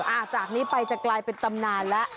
จากนี้ไปจะกลายเป็นตำนานแล้ว